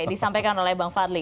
disampaikan oleh bang fadli